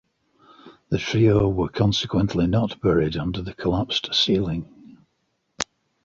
The trio were consequently not buried under the collapsed ceiling.